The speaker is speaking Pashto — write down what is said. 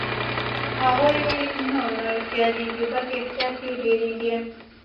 هغوی نور نه هوښیاریږي بلکې احتیاط یې ډیریږي.